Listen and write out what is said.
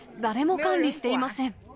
誰も管理していません。